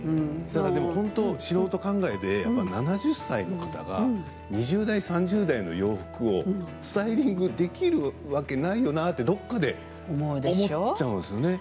でも本当、素人考えで７０歳の方が２０代、３０代の洋服をスタイリングできるわけないよなとどこかで思っちゃうんですよね。